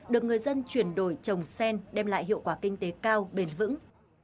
được người dân chuyển đổi trồng sen đem lại hiệu quả kinh tế cao bền vững